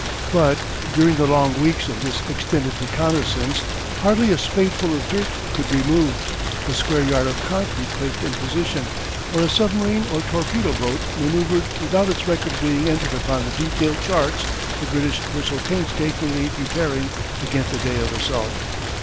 But during the long weeks of this extended reconnaissance hardly a spadeful of dirt could be moved, a square yard of concrete placed in position, or a submarine or torpedo boat manoeuvred without its record being entered upon the detailed charts the British were so painstakingly preparing against the day of assault.